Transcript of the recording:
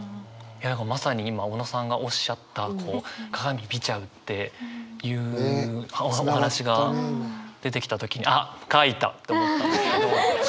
まさに今小野さんがおっしゃった鏡見ちゃうっていうお話が出てきた時にと思ったんですけど。